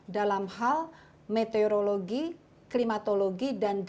dalam hal meteorologi klimatologi dan geologi